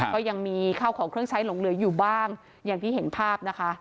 ก็ยังมีข้าวของเครื่องใช้หลงเหลืออยู่บ้างอย่างที่เห็นภาพนะคะ